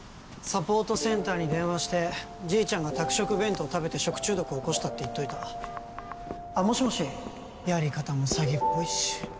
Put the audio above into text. サポートセンターに電話して「じいちゃんが宅食弁当食べて食中毒起こした」って言っといたあっもしもしやり方も詐欺っぽいし